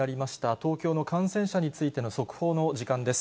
東京の感染者についての速報の時間です。